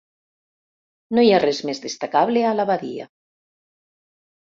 No hi res més destacable a la badia.